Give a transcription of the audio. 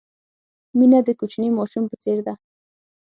مینه د کوچني ماشوم په څېر ده.